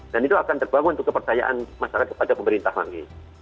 dan itu akan terbangun untuk kepercayaan masyarakat kepada pemerintah lagi